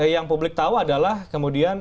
yang publik tahu adalah kemudian